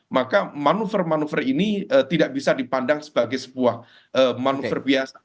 maka manuver manuver ini tidak bisa dipandang sebagai sebuah manuver biasa